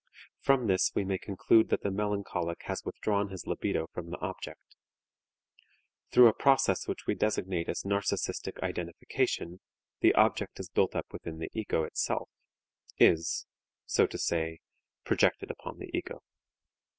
From this we may conclude that the melancholic has withdrawn his libido from the object. Through a process which we designate as "narcistic identification" the object is built up within the ego itself, is, so to say, projected upon the ego.